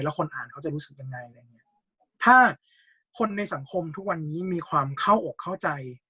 แล้วคนอ่านเขาจะรู้สึกยังไงถ้าคนในสังคมทุกวันนี้มีความเข้าอกเข้าใจ